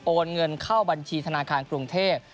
เงินเข้าบัญชีธนาคารกรุงเทพ